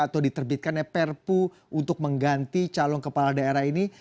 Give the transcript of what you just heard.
atau diterbitkannya perpu untuk mengganti calon kepala daerah ini